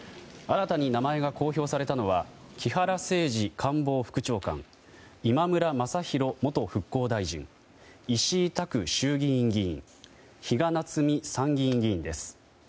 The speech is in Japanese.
新たに名前が公表されたのは木原誠二官房副長官今村雅弘元復興大臣石井拓衆議院議員比嘉奈津美参議院議員です。